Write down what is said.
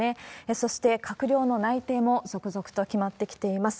そして閣僚の内定も続々と決まってきています。